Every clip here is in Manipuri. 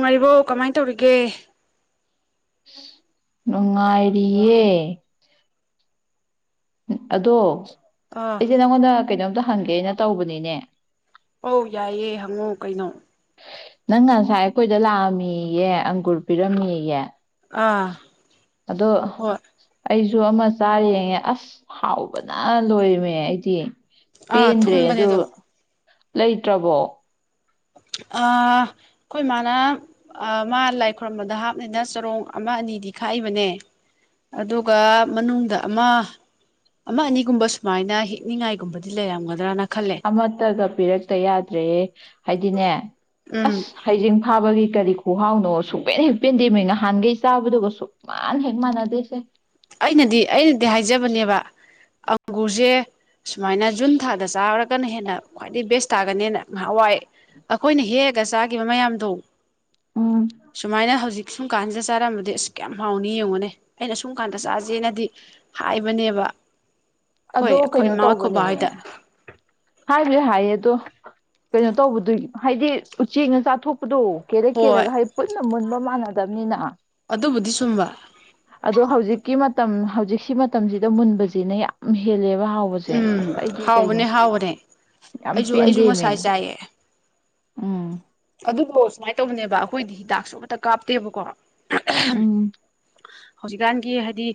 ꯃꯔꯔꯤꯕ ꯀꯃꯥꯏ ꯇꯧꯔꯒꯦ ꯅꯨꯡꯉꯥꯏꯔꯤꯌꯦ ꯑꯗꯣ ꯑꯥ ꯑꯩꯆꯦ ꯅꯪꯉꯣꯟꯅ ꯀꯩꯩꯅꯗ ꯍꯪꯒꯦꯩꯅ ꯇꯧꯕꯅꯤꯅꯦ ꯑꯧ ꯌꯥꯏꯌꯦꯦ ꯍꯪꯉꯨ ꯀꯩꯅꯣ ꯅꯪ ꯉꯁꯥꯏ ꯑꯩꯈꯣꯏꯗ ꯂꯥꯛꯑꯝꯃꯤꯌꯦ ꯑꯪꯒꯨꯔ ꯄꯤꯔꯝꯃꯤꯌꯦ ꯑꯥ ꯑꯗꯣ ꯍꯣꯏ ꯑꯩ ꯁꯨ ꯑꯃ ꯆꯥꯔꯡꯉꯦ ꯑꯁ ꯍꯥꯎꯕꯅ ꯂꯣꯏꯔꯝꯃꯦ ꯑꯩꯗꯤ ꯑꯥ ꯄꯤꯟ꯭ꯔꯦ ꯊꯨꯝꯕꯅꯦ ꯑꯗ ꯑꯗꯣ ꯂꯩꯇ꯭ꯔꯕꯣ ꯑꯩꯈꯣꯏ ꯃꯥꯅ ꯃꯥ ꯂꯥꯏ ꯈꯨꯔꯝꯕꯗ ꯍꯥꯞꯅꯤꯅ ꯆꯔꯣꯡ ꯑꯃ ꯑꯅꯤꯗꯤ ꯈꯥꯛꯏꯕꯅꯦ ꯑꯗꯨꯒ ꯃꯅꯨꯡꯗ ꯑꯃ ꯑꯃ ꯑꯅꯤꯒꯨꯝꯕ ꯁꯨꯃꯥꯏꯅ ꯍꯤꯛꯅꯤꯡꯉꯥꯏꯒꯨꯝꯕꯗꯤ ꯂꯩꯔꯝꯒꯗ꯭ꯔꯥꯅ ꯃꯠꯇꯒ ꯄꯤꯔꯛꯇ ꯌꯥꯗ꯭ꯔꯦ ꯍꯥꯏꯗꯤꯅꯦ ꯎꯝ ꯑꯁ ꯍꯩꯖꯤꯡ ꯐꯥꯕꯒꯤ ꯀꯔꯤ ꯈꯨꯍꯥꯎꯅꯣ ꯁꯨꯛꯃꯦꯟ ꯍꯦꯛ ꯄꯦꯟꯗꯦ ꯃ ꯅꯍꯥꯟꯒꯩ ꯆꯥꯕꯗꯨꯒ ꯁꯨꯛꯃꯥꯟꯅ ꯍꯦꯛ ꯃꯥꯟꯅꯗꯦꯁꯦ ꯑꯩꯅꯗꯤ ꯑꯩꯅꯗꯤ ꯍꯥꯏꯖꯕꯅꯦꯕ ꯑꯪꯒꯨꯔꯁꯦ ꯁꯨꯃꯥꯏꯅ ꯖꯨꯟ ꯊꯥꯗ ꯆꯥꯔꯒꯅ ꯍꯦꯟꯅ ꯈ꯭ꯋꯥꯏꯗꯒꯤ ꯕꯦꯁ ꯇꯥꯒꯅꯦꯅ ꯉꯍꯥꯟꯋꯥꯏ ꯑꯩꯈꯣꯏꯅ ꯍꯦꯛꯑꯒ ꯆꯥꯈꯤꯕ ꯃꯌꯥꯝꯗꯣ ꯎꯝ ꯁꯨꯃꯥꯏꯅ ꯍꯧꯖꯤꯛ ꯑꯁꯨꯝ ꯀꯥꯟꯁꯤꯗ ꯆꯥꯔꯝꯕꯗꯤ ꯑꯁ ꯀꯌꯥꯝ ꯍꯥꯎꯅꯤ ꯌꯦꯡꯉꯨꯅꯦ ꯑꯩꯅ ꯑꯁꯨꯝ ꯗꯨꯀꯥꯟꯗ ꯆꯥꯁꯦꯅꯗꯤ ꯍꯥꯏꯕꯅꯦꯕ ꯑꯩꯈꯣꯏ ꯑꯗꯣ ꯑꯩꯈꯣꯏ ꯀꯩꯅꯣ ꯏꯃꯥ ꯑꯩꯈꯣꯏ ꯕꯥ ꯇꯧꯕꯅꯦꯅꯦ ꯍꯣꯏꯗ ꯍꯥꯏꯕꯦ ꯍꯥꯏꯌꯦ ꯑꯗꯣ ꯀꯩꯅꯣ ꯇꯧꯕꯗꯨ ꯍꯥꯏꯗꯤ ꯎꯆꯦꯛꯅ ꯆꯥꯊꯣꯛ ꯑꯗꯨꯣ ꯀꯦꯔꯛ ꯍꯣꯏ ꯀꯦꯔꯒ ꯍꯥꯏ ꯄꯨꯟꯅ ꯃꯨꯟꯕ ꯃꯥꯟꯅ ꯇꯕꯅꯤꯅ ꯑꯗꯨꯕꯨꯗꯤ ꯁꯨꯝꯕ ꯑꯗꯣ ꯍꯧꯖꯤꯛꯀꯤ ꯃꯇꯝ ꯍꯧꯖꯤꯛꯀꯤ ꯃꯇꯝꯁꯤꯗ ꯃꯨꯟꯕꯁꯤꯅ ꯍꯦꯂ ꯎꯝ ꯍꯥꯎꯕꯅꯦ ꯍꯥꯎꯕꯅꯦ ꯌꯥꯝ ꯑꯩꯁꯨ ꯑꯩꯁꯨ ꯉꯁꯥꯏ ꯄꯦꯟꯗꯦꯃꯦ ꯆꯥꯏꯑ ꯎꯝ ꯑꯗꯨꯗꯣ ꯁꯨꯃꯥꯏ ꯇꯧꯕꯅꯦꯕ ꯑꯩꯈꯣꯏꯗꯤ ꯍꯤꯗꯥꯛꯁꯨ ꯑꯃꯠꯇ ꯀꯥꯞꯇꯦꯕꯀꯣ ꯎꯝ ꯍꯧꯖꯤꯛꯀꯥꯟꯒꯤ ꯍꯥꯏꯗꯤ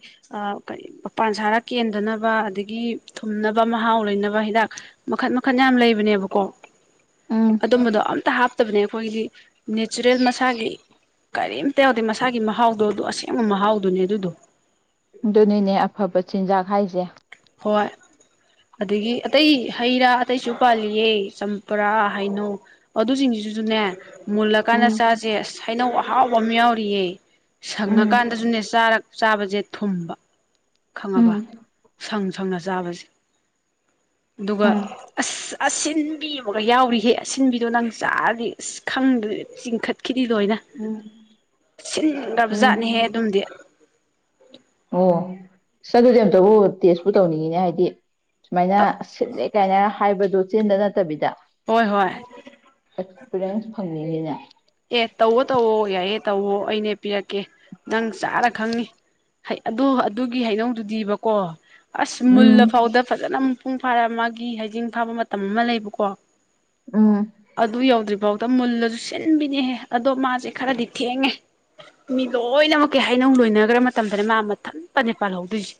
ꯀ ꯃꯄꯥꯟ ꯁꯥꯔ ꯀꯦꯟꯗꯅꯕ ꯑꯗꯒꯤ ꯊꯨꯝꯅꯕ ꯃꯍꯥꯎ ꯂꯩꯅꯕ ꯍꯤꯗꯥꯛ ꯃꯈꯟ ꯃꯈꯟ ꯌꯥꯝ ꯂꯩꯕꯅꯦꯕꯀꯣ ꯎꯝ ꯑꯗꯨꯝꯕꯗꯣ ꯑꯝꯇ ꯍꯥꯞ ꯠꯇꯕꯅꯦ ꯑꯩꯈꯣꯏꯒꯤ ꯅꯦꯆꯔꯦꯜ ꯃꯁꯥꯒꯤ ꯀꯔꯤꯝꯇ ꯌꯥꯗꯦ ꯃꯁꯥꯒꯤ ꯃꯍꯥꯎꯗꯣ ꯑꯗꯨ ꯑꯁꯦꯡꯕ ꯃꯍꯥꯎꯗꯨꯅꯦ ꯑꯗꯨꯗꯣ ꯑꯗꯨꯅꯤꯅꯦ ꯑꯐꯕ ꯆꯤꯟꯖꯥꯛ ꯍꯥꯏꯁꯦ ꯍꯣꯏ ꯑꯗꯒꯤ ꯑꯇꯩ ꯍꯩ ꯔꯥ ꯑꯇꯩꯁꯨ ꯄꯥꯜꯂꯤꯌꯦ ꯆꯝꯄꯔꯥ ꯍꯩꯅꯧ ꯑꯗꯨꯁꯤꯡꯁꯤꯁꯨꯅꯦ ꯃꯨꯜꯂꯀꯥꯟꯗ ꯎꯝ ꯆꯥꯁꯦ ꯍꯥꯏꯩꯅꯧ ꯍꯥꯎ ꯃꯝꯃꯤꯌꯥ ꯑꯣꯏꯔꯤꯌꯦ ꯎꯝ ꯁꯪꯉꯀꯥꯟꯗꯁꯨꯅꯦ ꯆꯥꯔꯛ ꯆꯥꯕꯁꯦ ꯊꯨꯝꯕ ꯈꯪꯉꯕ ꯎꯝ ꯁꯪ ꯁꯪꯅ ꯆꯥꯕꯁꯦ ꯑꯗꯨꯒ ꯎꯝ ꯑꯁ ꯑꯁꯤꯟ ꯟꯕꯤꯕꯒ ꯌꯥꯎꯔꯤꯍꯦ ꯑꯁꯤꯟꯕꯤꯗꯣ ꯅꯪ ꯆꯥꯗꯤ ꯑꯁ ꯈꯪꯗ꯭ꯔ ꯆꯤꯡꯈꯠ ꯈꯤꯗꯤ ꯂꯣꯏꯅ ꯎꯝ ꯁꯤꯟꯈ꯭ꯔꯕꯖꯥꯠꯅꯦꯍꯦ ꯎꯝ ꯑꯗꯨꯝꯗꯤ ꯑꯣ ꯆ ꯑꯗꯨꯗꯤ ꯑꯝꯇꯕꯨ ꯇꯦꯁꯄꯨ ꯇꯧꯅꯤꯡꯉꯤꯅꯦ ꯍꯥꯏꯗꯤ ꯁꯨꯃꯥꯏꯅ ꯁꯤꯜꯂꯦ ꯀꯥꯏꯅ ꯍꯥꯏꯕꯗꯨ ꯆꯦꯟꯗ ꯅꯠꯇꯕꯤꯗ ꯍꯣꯏ ꯍꯣꯏ ꯑꯦꯛꯁꯄꯤꯔꯤꯌꯦꯟꯁ ꯐꯪꯅꯤꯡꯉꯤꯅꯦ ꯑꯦ ꯇꯧꯋꯣ ꯇꯧꯋꯣ ꯌꯥꯏꯌꯦꯦ ꯇꯧꯋꯣ ꯑꯩꯅꯦ ꯄꯤꯔꯛꯀꯦ ꯅꯪ ꯆꯥꯔ ꯈꯪꯉꯤ ꯑꯗꯨ ꯑꯗꯨꯒꯤ ꯍꯗꯧꯗꯨꯗꯤꯕꯀꯣ ꯑꯁ ꯎꯝ ꯃꯨꯜꯂꯐꯥꯎꯗ ꯐꯖꯅ ꯄꯄꯨꯡ ꯐꯥꯔ ꯃꯥꯒꯤ ꯍꯩꯖꯤꯡ ꯐꯥꯕ ꯃꯇꯝ ꯑꯃ ꯂꯩꯕꯀꯣ ꯎꯝ ꯑꯗꯨ ꯌꯎꯗ꯭ꯔꯤ ꯐꯥꯎ ꯃꯨꯜꯂꯁꯨ ꯟꯕꯤꯅꯦꯍꯦ ꯑꯗꯣ ꯃꯥꯁꯦ ꯈꯔꯗꯤ ꯊꯦꯡꯉꯦ ꯃꯤ ꯂꯣꯏꯅꯃꯛꯀꯤ ꯍꯥꯏꯅꯧ ꯂꯣꯏꯅꯈ꯭ꯔ ꯃꯇꯝꯗꯅꯦ ꯃꯥ ꯃꯊꯟ ꯄꯅꯦ ꯄꯥꯜꯍꯧꯗꯣꯏꯁꯦ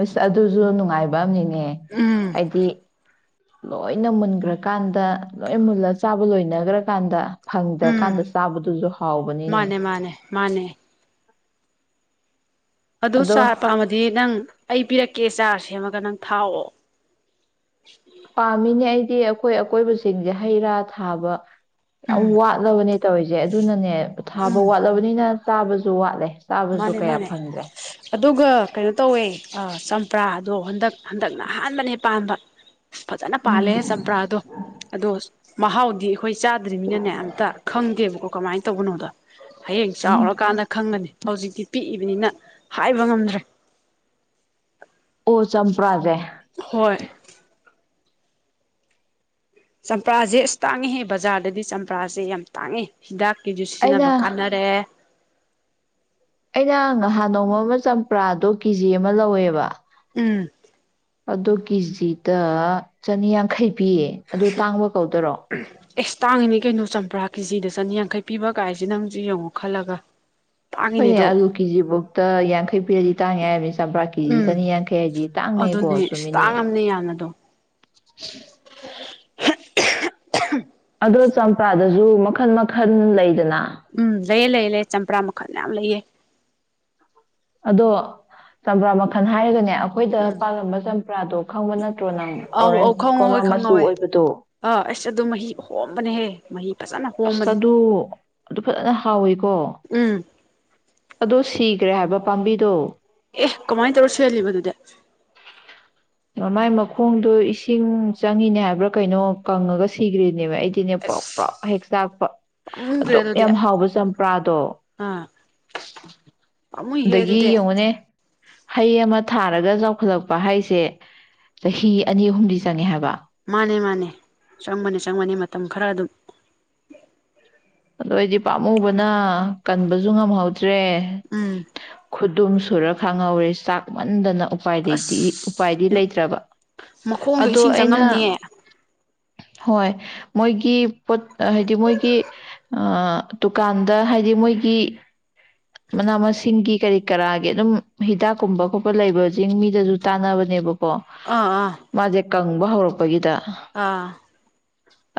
ꯑꯁ ꯑꯗꯨꯁꯨ ꯅꯨꯡꯉꯥꯏꯕ ꯑꯃꯉ ꯑꯦ ꯎꯝ ꯍꯥꯏꯗꯤ ꯂꯣꯏꯅ ꯃꯨꯟꯈ꯭ꯔꯀꯥꯟꯗ ꯂꯣꯏ ꯃꯨꯜꯂꯒ ꯆꯥꯕ ꯂꯣꯏꯅꯈ꯭ꯔꯀꯥꯟꯗ ꯎꯝ ꯐꯪꯗ꯭ꯔꯀꯥꯟꯗ ꯆꯥꯕꯗꯨꯁꯨ ꯍꯥꯎꯕꯅꯤꯅꯦ ꯃꯥꯅꯦ ꯃꯥꯅꯦ ꯃꯥꯅꯦ ꯑꯗꯨ ꯑꯗꯣ ꯆꯥꯔ ꯄꯥꯝꯃꯗꯤ ꯅꯪ ꯑꯩ ꯄꯤꯔꯛꯀꯦ ꯀꯦ ꯆꯥꯔ ꯁꯦꯝꯃꯒ ꯅꯪ ꯊꯥꯛꯑꯣ ꯄꯥꯝꯃꯤꯅꯦ ꯑꯩꯗꯤ ꯑꯩꯈꯣꯏ ꯑꯀꯣꯏꯕꯁꯤꯡꯁꯦ ꯍꯩ ꯔꯥ ꯊꯥꯕ ꯌꯥꯝ ꯎꯝ ꯋꯥꯗꯕꯅꯦ ꯇꯧꯔꯤꯁꯦ ꯑꯗꯨꯅꯅꯦ ꯊꯥꯕ ꯎꯝ ꯋꯥꯠꯂꯕꯅꯤꯅ ꯇꯥꯕꯁꯨ ꯋꯥꯠꯂꯦ ꯆꯥꯕꯁꯨ ꯃꯥꯅꯦ ꯀꯌꯥ ꯃꯥꯅꯦ ꯐꯪꯗ꯭ꯔꯦ ꯑꯗꯨꯒ ꯀꯩꯅꯣ ꯇꯧꯋꯦ ꯆꯝꯄ꯭ꯔꯥꯗꯣ ꯍꯟꯗꯛ ꯍꯟꯗꯛꯅ ꯑꯍꯥꯟꯕꯅꯦ ꯄꯥꯟꯕ ꯐꯖꯅ ꯎꯝ ꯄꯥꯜꯂꯦ ꯆꯝꯄ꯭ꯔꯥꯗꯣ ꯑꯗꯣ ꯃꯍꯥꯎ ꯑꯩꯈꯣꯏ ꯆꯥꯗ꯭ꯔꯤꯕꯅꯤꯅꯅꯦ ꯑꯝꯇ ꯈꯪꯗꯦꯕꯀꯣ ꯀꯃꯥꯏꯅ ꯇꯧꯕꯅꯣꯗꯣ ꯍꯌꯦꯡ ꯎꯝ ꯆꯥꯎꯔꯀꯥꯟꯗ ꯈꯪꯒꯅꯤ ꯁꯤ ꯄꯤꯛꯏꯕꯅꯤꯅ ꯍꯥꯏꯕ ꯉꯝꯗ꯭ꯔꯦ ꯆꯝꯄ꯭ꯔꯗ ꯍꯣꯏ ꯆꯝꯄꯔꯥꯁꯦ ꯑꯁ ꯇꯥꯡꯉꯤꯍꯦ ꯕꯖꯥꯔꯗꯗꯤ ꯆꯝꯄꯔꯥꯁꯦ ꯌꯥꯝ ꯇꯥꯡꯉꯦ ꯍꯤꯗꯥꯛ ꯀꯤꯁꯨ ꯑꯩꯅ ꯁꯤꯖꯤꯟꯅꯕ ꯀꯥꯟꯅꯔꯛꯑꯦ ꯑꯩꯅ ꯉꯍꯥꯟ ꯅꯣꯡꯃ ꯑꯃ ꯆꯝꯄ꯭ꯔꯥꯗꯣ ꯀꯦꯖꯤ ꯑꯃ ꯂꯧꯋꯦꯕ ꯎꯝ ꯑꯗꯨ ꯀꯦꯖꯤꯗ ꯆꯅꯤꯌꯥꯡꯈꯩ ꯄꯤꯌꯦ ꯑꯗꯨ ꯇꯥꯡꯕ ꯀꯧꯗꯔꯣ ꯑꯦꯁ ꯇꯥꯡꯉꯤꯅꯦ ꯀꯩꯅꯣ ꯆꯝꯄ꯭ꯔꯥ ꯀꯦꯖꯤꯗ ꯆꯅꯤꯌꯥꯡꯈꯩ ꯄꯤꯕ ꯀꯥꯏꯁꯦ ꯅꯪꯁꯨ ꯌꯦꯡꯉꯣ ꯈꯜꯂꯒ ꯍꯣꯏꯅꯦ ꯇꯥꯡꯉꯤꯅꯦꯗꯣ ꯑꯥꯂꯨ ꯀꯦꯖꯤꯐꯧꯗ ꯌꯥꯡꯈꯩ ꯄꯤꯔ ꯇꯥꯏ ꯍꯥꯏꯕꯅꯤ ꯆꯝꯄ꯭ꯔꯥ ꯀꯤꯖꯤ ꯎꯝ ꯆꯅꯤꯌꯥꯡꯈꯩ ꯍꯥꯏꯗꯤ ꯇꯥꯡꯉꯦꯀꯣ ꯑꯗꯨꯅꯦ ꯏꯁ ꯆꯨꯝꯃꯤꯅꯦꯦ ꯇꯥꯡꯉꯝꯅꯦ ꯌꯥꯝꯅꯗꯣ [inaudible] ꯑꯗ‌ꯣ ꯆꯝꯄ꯭ꯔꯥꯗꯁꯨ ꯃꯈꯟ ꯃꯈꯜ ꯂꯩꯗꯅ ꯎꯝ ꯂꯩꯌꯦ ꯂꯩ ꯂꯩ ꯆꯝꯄ꯭ꯔꯥ ꯃꯈꯜ ꯌꯥꯝꯌꯥꯝ ꯂꯩꯑ‌ꯦ ꯑꯗꯣ ꯆꯝꯄ꯭ꯔꯥ ꯃꯈꯜ ꯍꯥꯏꯔꯒꯅꯦ ꯑꯩꯈꯣꯏꯗ ꯎꯝ ꯄꯥꯜꯂꯝꯕ ꯆꯝꯄ꯭ꯔꯥꯗꯣ ꯈꯪꯕ ꯅꯠꯇ꯭ꯔꯣ ꯅꯪ ꯑꯧ ꯑꯧ ꯑꯣꯔꯦꯟꯖ ꯀꯣꯝꯂꯥ ꯈꯪꯉꯧꯋꯦ ꯃꯆꯨ ꯈꯪꯉꯧꯋꯦ ꯑꯣꯏꯕꯗꯣ ꯑꯥ ꯑꯁ ꯑꯗꯨ ꯃꯍꯤ ꯍꯣꯝꯕꯅꯦꯍꯦ ꯃꯍꯤ ꯐꯖꯅ ꯑꯁ ꯍꯣꯝꯕꯅꯦ ꯑꯗꯨ ꯑꯗꯨ ꯐꯖꯅ ꯍꯥꯎꯋ‌ꯦꯀꯣ ꯎꯝ ꯑꯗꯣ ꯁꯤꯈ꯭ꯔꯦ ꯍꯥꯏꯕ ꯄꯥꯝꯕꯤꯗꯣ ꯑꯦ ꯀꯃꯥꯏꯅ ꯇꯧꯔ ꯁꯤꯍꯜꯂꯤꯕ ꯑꯗꯨꯗ ꯃꯥꯏ ꯃꯈꯣꯡꯗꯣ ꯏꯁꯤꯡ ꯆꯪꯉꯤꯅꯦ ꯍꯥꯏꯕ꯭ꯔꯥ ꯀꯩꯅꯣ ꯀꯪꯉꯒ ꯁꯤꯈ꯭ꯔꯦ ꯅꯦ ꯑꯩꯗꯤꯅꯦ ꯄꯔ‌ꯣꯛ ꯄꯔ‌ꯣꯛ ꯑꯁ ꯍꯦꯛ ꯆꯥꯛꯄ ꯄꯥꯝꯃꯨꯗ꯭ꯔꯦ ꯑꯗꯨꯛ ꯑꯗꯨꯗꯤ ꯌꯥꯝ ꯍꯥꯎꯕ ꯆꯝꯄ꯭ꯔꯥꯗꯣ ꯑꯥ ꯄꯥꯝꯃꯨꯏꯍꯦ ꯑꯗꯒꯤ ꯑꯗꯨꯗꯤ ꯌꯦꯡꯉꯨꯅꯦ ꯍꯩ ꯑꯃ ꯊꯥꯔꯒ ꯆꯥꯎꯈꯠꯂꯛꯄ ꯍꯥꯏꯁꯦ ꯆꯍꯤ ꯑꯅꯤ ꯑꯍꯨꯝꯗꯤ ꯆꯪꯉꯦ ꯍꯥꯏꯕ ꯃꯥꯅꯦ ꯃꯥꯅꯦ ꯆꯪꯒꯅꯤ ꯆꯪꯕꯅꯤ ꯃꯇꯝ ꯈꯔ ꯑꯗꯨꯝ ꯑꯗꯨꯗꯑꯩꯗꯤ ꯄꯥꯝꯃꯨꯕꯅ ꯀꯟꯕꯁꯨ ꯉꯝꯍꯧꯗꯦ ꯇꯔ‌ꯦ ꯎꯝ ꯈꯨꯠ ꯑꯗꯨꯝ ꯁꯨꯔ ꯈꯥꯡꯍꯧꯔꯦ ꯆꯥꯛ ꯃꯟꯗꯅ ꯎꯄ ꯎꯄꯥꯏꯗꯤ ꯑꯁ ꯂꯩꯇ꯭ꯔꯕ ꯃꯈꯣꯡꯗꯣ ꯑꯗꯣ ꯏꯁꯤꯡ ꯑꯩꯅ ꯆꯪꯉꯝꯅꯤꯌꯦ ꯍꯣꯏ ꯃꯣꯏꯒꯤ ꯄꯣꯠ ꯍꯥꯏꯗꯤ ꯃꯣꯏꯒꯤ ꯗꯨꯀꯥꯟꯗ ꯍꯥꯏꯗꯤ ꯃꯣꯏꯒꯤ ꯃꯅꯥ ꯃꯁꯤꯡꯒꯤ ꯀꯔꯤ ꯀꯔꯥꯒꯤ ꯑꯗꯨꯝ ꯍꯤꯗꯥꯛꯀꯨꯝꯕ ꯈꯣꯠꯄ ꯂꯩꯕꯁꯤꯡ ꯃꯤꯗꯁꯨ ꯇꯥꯟꯅꯕꯅꯦꯕ ꯀ‌ꯣ ꯑꯥ ꯑꯥ ꯃꯥꯖ‌ꯦ ꯀꯪꯕ ꯍꯧꯔꯛꯄꯒꯤꯗ ꯑꯥ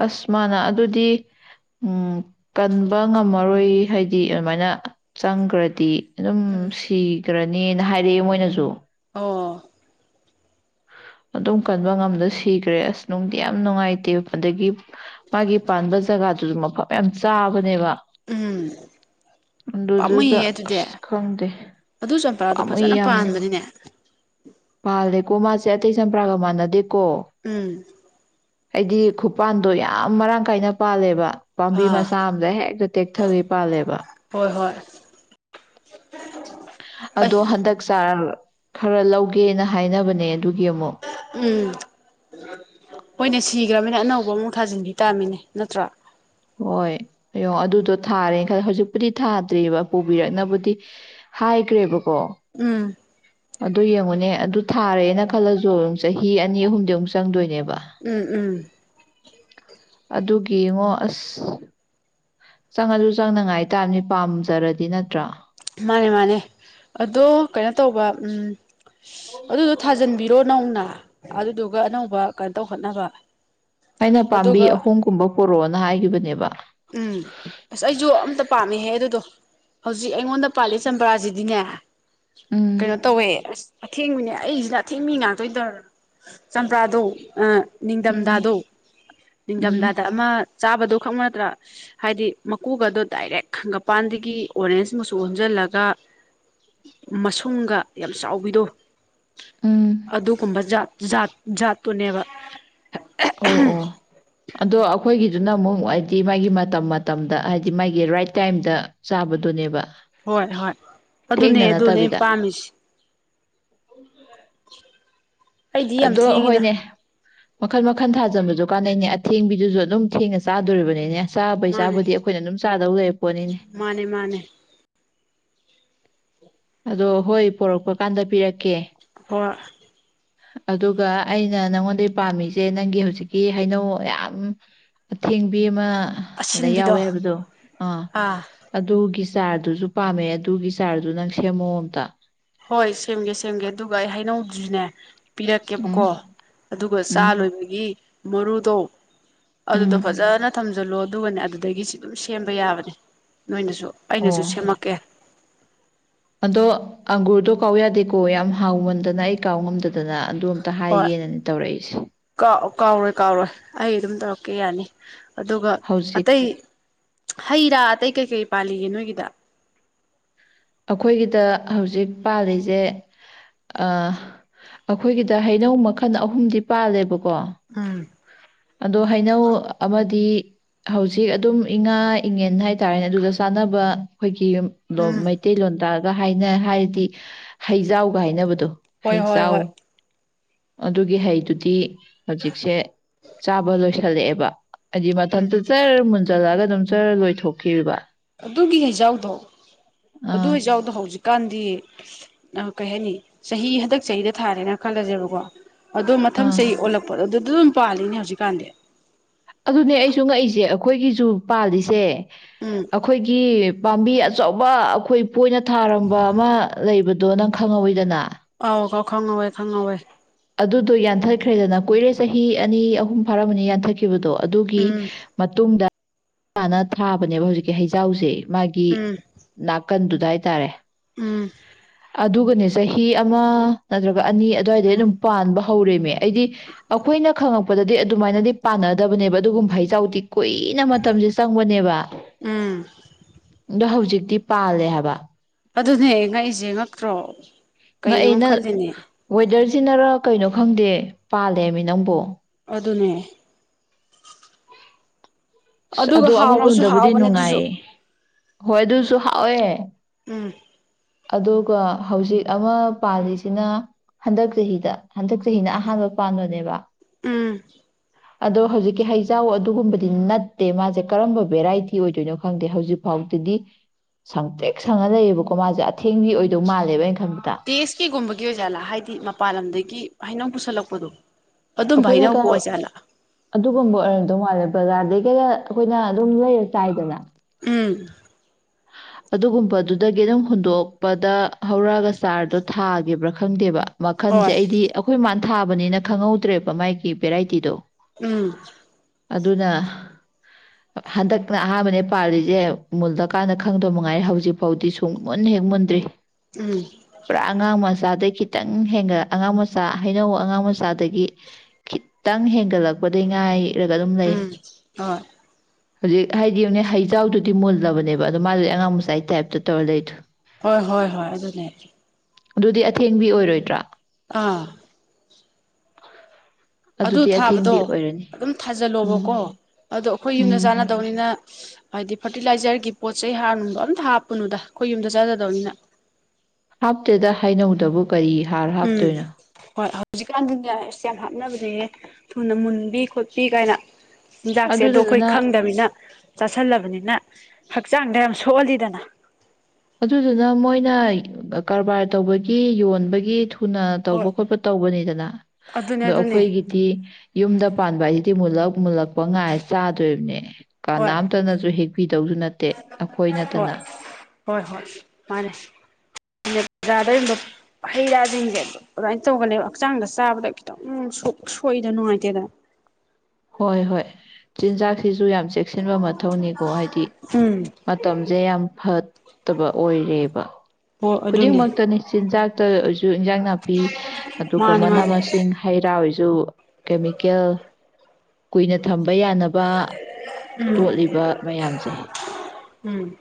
ꯑꯁ ꯃꯥꯅ ꯑꯗꯨꯗꯤ ꯎꯝ ꯀꯟꯕ ꯉꯝꯃꯔꯣꯏ ꯍꯥꯏꯗꯤ ꯑꯗꯨꯃꯥꯏꯅ ꯆꯪꯈ꯭ꯔꯗꯤ ꯑꯗꯨꯝ ꯎꯝ ꯁꯤꯈ꯭ꯔꯅꯦꯅ ꯍꯥꯏꯔꯛꯑꯦ ꯃꯣꯏꯅꯁꯨ ꯑꯣ ꯑꯗꯨꯝ ꯀꯟꯕ ꯉꯝꯗꯅ ꯁꯤꯈ꯭ꯔꯦ ꯑꯁ ꯅꯨꯡꯗꯤ ꯌꯥꯝ ꯅꯨꯡꯉꯥꯏꯇꯦ ꯑꯗꯒꯤ ꯃꯥꯒꯤ ꯄꯥꯟꯕ ꯖꯒꯥꯗꯨꯁꯨ ꯃꯐꯝ ꯌꯥꯝ ꯆꯥꯕꯅꯦꯕ ꯎꯝ ꯗꯨꯗꯨꯗ ꯄꯥꯝꯃꯨꯏꯌꯦ ꯑꯗꯨꯗꯤ ꯑꯁ ꯈꯪꯗꯦ ꯑꯗꯨ ꯆꯝꯄ꯭ꯔꯥꯗꯣ ꯄꯥꯝꯃꯨꯏ ꯐꯖꯅ ꯌꯥꯝꯅ ꯄꯥꯟꯕꯅꯤꯅꯦ ꯄꯥꯜꯂꯤ ꯃꯥꯁ‌ꯦ ꯑꯇꯩ ꯆꯝꯄ꯭ꯔꯒ ꯃꯥꯅꯗꯦ ꯎꯝ ꯍꯥꯏꯗꯤ ꯈꯨꯄꯥꯟꯗꯣ ꯌꯥꯝ ꯃꯔꯥꯡ ꯀꯥꯏꯅ ꯄꯥꯜꯂꯦꯕ ꯄꯥꯝꯕꯤ ꯃꯥꯁ ꯑꯥ ꯃꯆꯥꯝꯗ ꯍꯦꯛꯇ ꯇꯦꯛꯊꯈꯩ ꯄꯥꯜꯂꯦꯕ ꯍꯣꯏ ꯍꯣꯏ ꯑꯩ ꯑꯗꯣ ꯍꯟꯗꯛ ꯆꯥ ꯈꯔ ꯂꯧꯒꯦꯅ ꯍꯥꯏꯅꯕꯅꯦ ꯑꯗꯨꯒꯤ ꯑꯃꯨꯛ ꯍꯣꯏꯅ ꯁꯤꯈ꯭ꯔꯃꯤꯅ ꯑꯅꯧꯕ ꯑꯃꯨꯛ ꯊꯥꯖꯤꯟꯕꯤ ꯇꯥꯃꯤꯅꯤ ꯅꯠꯇ꯭ꯔꯥ ꯍꯣꯏ ꯍꯡ ꯑꯗꯨꯗꯣ ꯊꯥꯔꯦ ꯈꯜ ꯍꯧꯖꯤꯛꯄꯨꯗꯤ ꯊꯥꯗ꯭ꯔꯤꯕ ꯄꯨꯕꯤꯔꯛꯕꯨꯗꯤ ꯍꯥꯏꯈ꯭ꯔꯦꯕꯀꯣ ꯎꯝ ꯑꯗꯨ ꯌꯦꯡꯉꯨꯅꯦ ꯑꯗꯨ ꯊꯥꯔꯦꯅ ꯈꯜꯂꯁꯨ ꯆꯍꯤ ꯑꯅꯤ ꯑꯍꯨꯝꯗꯤ ꯑꯃꯨꯛ ꯆꯪꯗꯣꯏꯅꯦꯕ ꯎꯝ ꯎꯝ ꯑꯗꯨꯒꯤ ꯏꯉꯣ ꯑꯁ ꯆꯪ ꯑꯗꯨ ꯑꯗꯨ ꯆꯪꯅꯉꯥꯏꯇꯥꯥꯕꯅꯤ ꯄꯥꯝꯖꯔꯗꯤ ꯅꯠꯇ꯭ꯔꯥ ꯃꯥꯅꯦ ꯃꯥꯅꯦ ꯑꯗꯣ ꯀꯩꯅꯣ ꯇꯧꯕ ꯎ ꯑꯗꯨꯗꯣ ꯊꯥꯖꯟꯕꯤꯔꯣ ꯅꯧꯅ ꯑꯗꯨꯗꯨꯒ ꯑꯅꯧꯕ ꯀꯩꯅꯣ ꯇꯧꯈꯣꯠꯅꯕ ꯑꯩꯅ ꯄꯥꯝꯕꯤ ꯑꯍꯨꯝꯒꯨꯝꯕ ꯄꯣꯔꯛꯑꯣꯅ ꯍꯥꯏꯈꯤꯕꯅꯦꯕ ꯎꯝ ꯑꯁ ꯑꯩꯁꯨ ꯑꯝꯇ ꯄꯥꯝꯃꯦꯍꯦ ꯑꯗꯨꯗꯣ ꯍꯧꯖꯤꯛ ꯑꯩꯉꯣꯟ ꯄꯥꯂꯤꯦ ꯆꯝꯕꯔꯥꯖꯤꯗꯤꯅꯦ ꯎꯝ ꯀꯩꯅꯣ ꯇꯧꯋꯦ ꯑꯁ ꯑꯊꯦꯡꯕꯅꯦ ꯑꯩꯁꯤꯅ ꯑꯊꯦꯡ ꯃꯤ ꯉꯥꯛꯇꯣꯏ ꯇꯧ ꯆꯝꯄ꯭ꯔꯥꯗꯣ ꯎꯝ ꯅꯤꯡꯊꯝꯊꯥꯗꯣ ꯎꯝ ꯅꯤꯡꯊꯝꯊꯥꯗ ꯑꯃ ꯆꯥꯕꯗꯨ ꯈꯛ ꯅꯠꯇ꯭ꯔꯥ ꯍꯥꯏꯗꯤ ꯃꯀꯨꯒꯗꯣ ꯗꯥꯏꯔꯦꯛꯒꯄꯥꯟꯗꯒꯤ ꯑꯣꯔꯦꯟꯖ ꯃꯨ ꯁꯟꯖꯜꯂꯒ ꯃꯁꯨꯡꯒ ꯌꯥꯝ ꯆꯥꯎꯕꯤꯗꯣ ꯎꯝ ꯑꯗꯨꯒꯨꯝꯕ ꯥꯠ ꯇꯥꯅꯦꯕ ꯑꯣ ꯑꯣ ꯑꯗꯣ ꯑꯩꯈꯣꯏꯒꯤꯗꯨꯅ ꯑꯃꯨꯛ ꯍꯥꯏꯗꯤ ꯃꯥꯒꯤ ꯃꯇꯝ ꯃꯇꯝꯗ ꯍꯥꯏꯗꯤ ꯃꯥꯒꯤ ꯔꯥꯏꯠ ꯇꯥꯏꯝꯗ ꯆꯥꯕꯗꯨꯅꯦꯕ ꯍꯣꯏ ꯍꯣꯏ ꯑꯗꯨꯅꯦ ꯊꯦꯡꯅ ꯑꯗꯨꯅꯦ ꯅꯠꯇꯕꯤꯗ ꯄꯥꯝꯃꯤꯁꯦ [inaudible] ꯑꯩꯗꯤ ꯌꯥꯝ ꯑꯗꯣ ꯊꯦꯡꯉꯤꯗ ꯍꯣꯏꯅꯦ ꯃꯈꯜ ꯃꯈꯜ ꯊꯥꯖꯟꯕꯁꯨ ꯀꯥꯟꯅꯩꯅꯦ ꯑꯊꯦꯡꯕꯤꯗꯨꯁꯨ ꯑꯗꯨꯝ ꯊꯦꯡꯅ ꯆꯥꯗꯣꯔꯤꯕꯅꯤꯅꯦ ꯆꯥꯕꯩ ꯃꯥꯅꯦ ꯆꯥꯕꯨꯗꯤ ꯑꯩꯈꯣꯏꯅ ꯑꯗꯨꯝ ꯆꯥꯗꯧ ꯂꯩꯔ ꯄꯣꯠꯅꯤꯅꯦ ꯃꯥꯅꯦ ꯃꯥꯅꯦ ꯑꯗꯣ ꯍꯣꯏ ꯄꯣꯔꯛꯄ ꯀꯥꯟꯗ ꯄꯤꯔꯛꯀꯦ ꯑꯩ ꯑꯗꯨꯒ ꯑꯩꯅ ꯅꯪꯉꯣꯟꯗꯩ ꯄꯥꯝꯃꯤꯁꯦ ꯅꯪꯒꯤ ꯍꯧꯖꯤꯛꯀꯤ ꯍꯩꯅꯧ ꯌꯥꯝ ꯑꯊꯦꯡꯕꯤ ꯑꯃ ꯂꯩ ꯌꯥꯎꯋꯦ ꯑꯁꯤꯟꯕꯤꯗꯣ ꯍꯥꯏꯕꯗꯣ ꯑꯥ ꯑꯗꯨꯒꯤ ꯆꯔꯗꯨꯁꯨ ꯄꯥꯝꯃꯦ ꯑꯗꯨꯒꯤ ꯁꯥꯔꯗꯨꯣ ꯅꯪ ꯁꯦꯝꯦꯃꯣꯝꯗ ꯍꯣꯏ ꯁꯦꯝꯒꯦ ꯁꯦꯝꯒꯦ ꯑꯗꯨꯒ ꯑꯩ ꯍꯥꯏꯅꯧꯗ꯭ꯔꯤꯅꯦ ꯄꯤꯔꯛꯀꯦꯕꯀꯣ ꯎꯝ ꯑꯗꯨꯒ ꯆꯥ ꯎꯝ ꯂꯣꯏꯕꯒꯤ ꯃꯔꯗ ꯑꯗꯨꯗꯣ ꯎꯝ ꯐꯖꯅ ꯊꯝꯖꯜꯂꯣ ꯑꯗꯨꯒꯅꯦ ꯑꯗꯨꯗꯒꯤꯁꯨ ꯑꯗꯨꯝ ꯁꯦꯝꯕ ꯌꯥꯕꯅꯦ ꯅꯣꯏꯅꯁꯨ ꯑꯩꯅꯁꯨ ꯑꯣ ꯁꯦꯝꯃꯛꯀꯦ ꯑꯗꯣ ꯑꯪꯒꯨꯔꯗꯣ ꯀꯥꯎ ꯌꯥꯗꯦꯀꯣ ꯌꯥꯝ ꯍꯥꯎꯃꯟꯗꯅ ꯑꯩ ꯀꯥꯎ ꯉꯝꯗꯗꯅ ꯑꯗꯨ ꯑꯝꯇ ꯍꯥꯏꯒꯦꯅꯅꯦ ꯇꯧꯔꯛꯏꯁꯦ ꯍꯣꯏꯥꯎ ꯀꯥꯎꯔꯣꯏ ꯀꯥꯎꯔꯣꯏ ꯑꯩ ꯑꯗꯨꯝ ꯇꯧꯔꯛ ꯀ ꯌꯥꯅꯤ ꯑꯗꯨꯒ ꯍꯧꯖꯤꯛ ꯑꯇꯩ ꯍꯩ ꯔꯥ ꯑꯇꯩ ꯀꯩꯀꯩ ꯄꯥꯜꯂꯤꯒꯦ ꯅꯣꯏꯒꯤꯗ ꯑꯩꯈꯣꯏꯒꯤꯗ ꯍꯧꯖꯤꯛ ꯄꯥꯜꯂꯤꯁꯦ ꯑꯩꯈꯣꯏꯒꯤꯗ ꯍꯩꯅꯧ ꯃꯈꯜ ꯑꯍꯨꯝꯗꯤ ꯄꯥꯜꯂꯦꯕꯀꯣ ꯎꯝ ꯑꯗꯣ ꯍꯩꯅꯧ ꯑꯃꯗꯤ ꯍꯧꯖꯤꯛ ꯑꯗꯨꯝ ꯏꯉꯥ ꯏꯉꯟ ꯍꯥꯏꯇꯥꯔꯦꯅꯦ ꯑꯗꯨꯗ ꯆꯥꯅꯕ ꯑꯩꯈꯣꯏ ꯨꯝ ꯃꯩꯇꯩꯂꯣꯟꯗ ꯒ ꯍꯥꯏꯅ ꯍꯥꯏꯔꯗꯤ ꯍꯩꯖꯥꯎꯒ ꯍꯥꯏꯅꯕꯗꯣ ꯍꯣꯏ ꯍꯩ ꯍꯣꯏ ꯆꯎ ꯍꯣꯏ ꯑꯗꯨꯒꯤ ꯍꯩꯗꯨꯗꯤ ꯍꯧꯖꯤꯛꯁꯦ ꯆꯥꯕ ꯂꯣꯏꯁꯜꯂꯛꯑꯦꯕ ꯑꯖꯤꯕꯊꯟꯇ ꯆ ꯆꯜꯂꯒ ꯑꯗꯨꯝ ꯆꯔ ꯂꯣꯏꯊꯣꯛꯔꯤꯕ ꯑꯗꯨꯒꯤ ꯍꯩꯖꯥꯎꯗꯣ ꯑꯗꯨ ꯑꯥ ꯍꯩꯖꯥꯎꯗꯣ ꯍꯧꯖꯤꯛ ꯀꯥꯟꯗꯤ ꯀꯩ ꯍꯥꯏꯅꯤ ꯆꯍꯤ ꯍꯟꯗꯛ ꯆꯍꯤꯗ ꯊꯥꯔꯦꯅ ꯈꯜꯂꯁꯦꯕꯀꯣ ꯑꯗꯣ ꯃꯊꯪ ꯑꯥ ꯆꯍꯤ ꯑꯣꯜꯂꯛꯄꯗꯣ ꯑꯗꯨꯗ ꯑꯗꯨꯝ ꯄꯥꯜꯂꯤꯅꯦ ꯍꯧꯖꯤꯛꯀꯥꯟꯗꯤ ꯑꯗꯨꯅꯦ ꯑꯩꯁꯨ ꯉꯛꯏꯁꯦ ꯑꯩꯈꯣꯏꯒꯤꯁꯨ ꯄꯥꯜꯂꯤꯁꯦ ꯎꯝ ꯑꯩꯈꯣꯏꯒꯤ ꯄꯥꯝꯕꯤ ꯑꯆꯧꯕ ꯑꯩꯈꯣꯏ ꯄꯣꯏꯅ ꯊꯥꯔꯝꯕ ꯑꯃ ꯂꯩꯕꯗꯣ ꯅꯪ ꯈꯪꯍꯧꯋꯤꯗꯅ ꯑꯥꯎ ꯀꯥꯎ ꯈꯪꯉꯧꯋꯦ ꯈꯪꯍꯧꯋꯦ ꯑꯗꯨꯗꯣ ꯌꯥꯟꯊꯈ꯭ꯔꯦꯗꯅ ꯀꯨꯏꯔꯦ ꯆꯍꯤ ꯑꯅꯤ ꯑꯍꯨꯝ ꯐꯥꯔꯝꯃꯅꯤ ꯌꯥꯟꯊꯈꯤꯕꯗꯣ ꯑꯗꯨꯒꯤ ꯎꯝ ꯃꯇꯨꯡꯗ ꯆꯥꯅ ꯊꯥꯕꯅꯦꯕ ꯍꯧꯖꯤꯛꯀꯤ ꯍꯩꯖꯥꯎꯁꯦ ꯃꯥꯒꯤ ꯥꯛ ꯎꯝ ꯅꯥꯀꯟꯗꯨꯗ ꯍꯥꯏꯇꯥꯔꯦ ꯎꯝ ꯑꯗꯨꯒꯅꯦ ꯆꯍꯤ ꯑꯃ ꯅꯠꯇ꯭ꯔꯒ ꯑꯅꯤ ꯑꯗꯨꯋꯥꯏꯗꯩ ꯑꯗꯨꯝ ꯄꯥꯟꯕ ꯍꯧꯔꯦꯃꯦ ꯍꯥꯏꯗꯤ ꯑꯩꯈꯣꯏꯅ ꯈꯉꯄ ꯗꯗꯗꯤ ꯑꯗꯨꯃꯥꯏꯅꯗꯤ ꯄꯥꯟꯅꯗꯕꯅꯦꯕ ꯑꯗꯨꯒꯨꯝꯕ ꯍꯆꯥꯎꯗꯤ ꯀꯨꯏꯅ ꯃꯇꯝꯁꯦ ꯆꯪꯕꯅꯦꯕ ꯎꯝ ꯑꯗꯣ ꯍꯧꯖꯤꯛꯇꯤ ꯄꯥꯜꯂꯦ ꯍꯥꯏꯕ ꯑꯗꯨꯅꯦ ꯉꯛꯏꯁꯦ ꯉꯛꯇ꯭ꯔꯣ ꯉꯥꯛꯑ ꯀꯩꯅꯣ ꯅ ꯈꯜꯂꯤꯅꯦ ꯋꯦꯗꯔꯁꯤꯅꯔ ꯀꯩꯅꯣ ꯈꯪꯗꯦ ꯄꯥꯜꯂꯦꯕꯃꯤ ꯅꯪꯕꯨꯣ ꯑꯗꯨꯗꯨꯅꯦ ꯑꯁ ꯑꯗꯣ ꯑꯃꯔꯣꯝꯗꯕꯨꯗꯤ ꯍꯥꯎꯕꯅꯦ ꯑꯗꯨꯁꯨ ꯅꯨꯡꯉꯥꯏꯌꯦ ꯍꯣꯏ ꯑꯗꯨꯁꯨ ꯍꯥꯎꯋꯦ ꯎꯝ ꯑꯗꯨꯒ ꯍꯧꯖꯤꯛ ꯑꯃ ꯄꯥꯜꯂꯤꯁꯤꯅ ꯍꯟꯗꯛ ꯆꯍꯤꯗ ꯍꯟꯗꯛ ꯆꯍꯤꯅ ꯑꯍꯥꯟꯕ ꯄꯥꯟꯕꯅꯦꯕ ꯎꯝ ꯑꯗꯣ ꯍꯧꯖꯤꯛꯀꯤ ꯍꯩꯖꯥꯎ ꯑꯗꯨꯒꯨꯝꯕꯗꯤ ꯅꯠ ꯠꯇꯦ ꯃꯥꯁꯦ ꯀꯔꯝꯕ ꯚꯦꯔꯥꯏꯇꯤ ꯑꯣꯏꯗꯣꯏꯅꯣ ꯈꯪꯗꯦ ꯍꯧꯖꯤꯛ ꯐꯥꯎꯗꯗꯤ ꯁꯪꯇꯦꯛ ꯁꯪꯉ ꯂꯩꯌꯦꯕꯀꯣ ꯃꯥꯁꯦ ꯑꯊꯦꯡꯒꯤ ꯑꯣꯏꯗꯧ ꯃꯥꯜꯂꯦꯕꯩꯅ ꯇꯦꯁ ꯀꯦꯒꯨꯝꯃꯒꯤ ꯌꯣꯖꯂ ꯍꯥꯏ ꯍꯥꯏꯗꯤ ꯃꯄꯥꯟ ꯂꯝꯗꯒꯤ ꯍꯩꯅꯧ ꯄꯨꯁꯜꯂꯛꯄꯗꯣ ꯑꯗꯨꯝꯕ ꯑꯩꯈꯣꯏꯅ ꯍꯩꯅꯧꯕꯨ ꯀꯩꯅ ꯑꯣꯏꯖꯥꯠꯂꯥ ꯑꯗꯨꯒꯨꯝꯕ ꯑꯣꯏꯔꯝꯗꯧ ꯃꯥꯜꯂꯦ ꯕꯖꯥꯔꯗꯩ ꯀꯔ ꯑꯩꯈꯣꯏꯅ ꯑꯗꯨꯝ ꯂꯩꯔ ꯆꯥꯏꯗꯅ ꯍ ꯑꯗꯨꯒꯨꯝꯕꯗꯨꯗꯒꯤ ꯑꯗꯨꯝ ꯍꯨꯟꯗꯣꯛꯄꯗ ꯍꯧꯔꯛꯑꯒ ꯆꯥꯔꯗꯣ ꯊꯥꯈꯤꯕꯕ꯭ꯔꯥ ꯈꯪꯗꯦꯕ ꯃꯈꯜꯁꯦ ꯍꯣꯏ ꯑꯩꯗꯤ ꯑꯩꯈꯣꯏ ꯃ ꯊꯥꯕꯅꯤꯅ ꯈꯪꯍꯧꯗ꯭ꯔꯦꯕ ꯃꯥꯒꯤ ꯚꯦꯔꯥꯏꯇꯤꯗꯣ ꯎꯝ ꯑꯗꯨꯅ ꯍꯟꯗꯛꯅ ꯑꯍꯥꯟꯕꯅꯦ ꯄꯥꯜꯂꯤꯁꯦ ꯎꯃꯨꯜꯗ ꯀꯥꯟꯗ ꯈꯪꯗꯕ ꯃꯉꯥꯏꯔꯦ ꯍꯧꯖꯤꯛꯐꯥꯎꯗꯤ ꯁꯨꯝ ꯃꯨꯟꯅ ꯍꯦꯛ ꯃꯨꯟꯗ꯭ꯔꯤ ꯎꯝ ꯄ꯭ꯔꯥꯉ ꯃꯁꯥꯗ ꯀꯈꯤ ꯈꯤꯇꯪ ꯍꯦꯟꯒꯠ ꯑꯉꯥꯡ ꯃꯆꯥ ꯍꯩꯅꯧ ꯑꯉꯥꯡ ꯃꯆꯥ ꯑꯗꯒꯤꯠ ꯈꯤꯇꯪ ꯍꯦꯟꯒꯠꯂꯛꯄꯗꯒꯤ ꯉꯥꯏ ꯎꯝ ꯑ ꯍꯧꯖꯤꯛ ꯍꯥꯏꯗꯤ ꯑꯃꯅꯦ ꯍꯩꯖꯥꯎꯗꯨꯗꯤ ꯃꯨꯜꯂꯕꯅꯦꯕ ꯑꯗꯣ ꯃꯥꯗꯤ ꯑꯉꯥꯡ ꯃꯆꯥ ꯑꯩ ꯇꯥꯏꯞꯇ ꯇꯧꯔ ꯂꯩ꯭ꯔꯣ ꯍꯣꯏ ꯍꯣꯏ ꯍꯣꯏ ꯑꯗꯨꯅꯦ ꯑꯗꯨꯗꯤ ꯑꯊꯦꯡꯕꯤ ꯑꯣꯏꯔꯣꯏꯗ꯭ꯔꯥ ꯑꯥ ꯑꯗꯨ ꯑꯗꯨꯗꯤ ꯊꯥꯕꯗꯣ ꯑꯊꯦꯡꯕꯤ ꯑꯣꯏꯔꯅꯤ ꯑꯗꯨꯝ ꯊꯥꯖꯤꯜꯂꯣꯕꯀꯣ ꯎꯝ ꯑꯗꯣ ꯑꯩꯈꯣꯏ ꯌꯨꯝꯗ ꯎꯝ ꯆꯥꯟꯅꯗꯧꯅꯤꯅ ꯍꯥꯏꯗꯤ ꯐꯔꯇꯤꯂꯥꯏꯖꯔꯒꯤ ꯄꯣꯠ ꯆꯩ ꯍꯔꯅꯨꯡꯗ ꯑꯝꯇ ꯍꯥꯞꯄꯅꯨꯗ ꯑꯩꯈꯣꯏ ꯌꯨꯝꯗ ꯆꯥꯖꯗꯧꯅꯤꯅ ꯍꯥꯞꯇꯦꯗ ꯍꯥꯏꯅꯧꯗꯕꯨ ꯀꯔꯤ ꯍꯥꯔ ꯍꯥꯞꯇꯣꯏꯅꯣ ꯍꯧꯖꯤꯛꯀꯥꯟꯗꯤꯅꯦꯁ ꯌꯥꯝ ꯍꯥꯞꯅꯕꯅꯦꯍ ꯊꯨꯅ ꯃꯨꯟꯕꯤ ꯈꯣꯠꯄꯤ ꯀꯥꯏꯅ ꯍꯤꯟꯖꯥꯛꯁꯦ ꯑꯗꯣ ꯑꯩꯈꯣꯏ ꯑꯗꯨꯗꯨꯅ ꯈꯪꯗꯕꯅꯤꯅ ꯆꯥꯁꯜꯂꯕꯅꯤꯅ ꯍꯛꯆꯥꯡꯗ ꯌꯥꯝ ꯁꯣꯛꯍꯜꯂꯤꯗꯅ ꯑꯗꯨꯗꯨꯅ ꯃꯣꯏꯅ ꯀꯔꯕꯥꯔ ꯇꯧꯕꯒꯤ ꯌꯣꯟꯕꯒꯤ ꯊꯨꯅ ꯇꯧꯕ ꯍꯣꯏ ꯈꯣꯠꯄ ꯇꯧꯕꯅꯤꯗꯅ ꯑꯗꯨꯅꯦ ꯑꯗꯣ ꯑꯗꯨꯅꯦ ꯑꯩꯈꯣꯏꯒꯤꯗꯤ ꯌꯨꯝꯗ ꯄꯥꯟꯕ ꯍꯥꯏꯁꯤꯗꯤ ꯃꯨꯜꯂꯞ ꯃꯨꯜꯂꯛꯄ ꯉꯥꯏ ꯆꯥꯗꯣꯏꯔꯤꯕꯅꯦ ꯍꯣꯏ ꯀꯅꯥꯝꯇꯅꯁꯨ ꯍꯦꯛꯄꯤꯗꯧꯁꯨ ꯅꯠꯇꯦ ꯑꯩꯈꯣꯏ ꯅꯠꯇꯅ ꯍꯣꯏ ꯍꯣꯏ ꯍꯣꯏ ꯃꯥꯅꯦ ꯕꯖꯥꯔꯗ ꯌꯕ ꯍꯩ ꯔꯥꯁꯤꯡꯁꯦ ꯑꯗꯨꯃꯥꯏꯅ ꯇꯧꯒꯅꯦꯕ ꯍꯛꯆꯥꯡꯗ ꯆꯥꯕꯗ ꯈꯤꯇꯪ ꯁꯣꯛꯏꯗ ꯅꯨꯡꯉꯥꯏꯇꯦꯗꯅ ꯍꯣꯏ ꯍꯣꯏ ꯆꯤꯟꯖꯥꯛꯁꯤꯁꯨ ꯌꯥꯝ ꯆꯦꯛꯁꯤꯟꯕ ꯃꯊꯧꯅꯤ ꯀꯣ ꯍꯥꯏꯗꯤ ꯎꯝ ꯃꯇꯝꯁꯦ ꯌꯥꯝ ꯐꯠ ꯇꯕ ꯑꯣꯏꯔꯦꯕ ꯍꯣꯏ ꯑꯗꯨꯅꯦ ꯈꯨꯗꯤꯡꯃꯛꯇꯅꯤ ꯆꯤꯟꯖꯥꯛꯇ ꯑꯣꯏꯁꯨ ꯏꯟꯖꯥꯡ ꯅꯥꯄꯤ ꯑꯗꯨꯒ ꯃꯥꯅꯦ ꯃꯅꯥ ꯃꯥꯅꯦ ꯃꯁꯤꯡ ꯍꯩ ꯔꯥ ꯑꯣꯏꯁꯨ ꯀꯦꯃꯤꯀꯦꯜ ꯀꯨꯏꯅ ꯊꯝꯕ ꯌꯥꯅꯕ ꯇꯣꯠꯂꯤꯕ ꯃꯌꯥꯝꯁꯦ ꯎꯝ